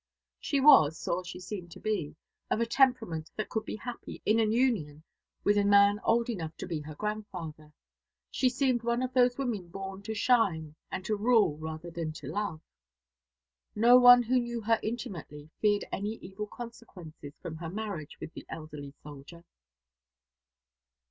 She was, or she seemed to be, of a temperament that could be happy in an union with a man old enough to be her grandfather. She seemed one of those women born to shine and to rule rather than to love. No one who knew her intimately feared any evil consequences from her marriage with the elderly soldier.